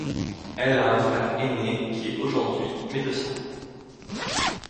Elle a un frère aîné qui est aujourd'hui médecin.